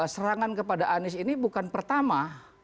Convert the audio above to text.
serangan kepada anies ini bukan pertama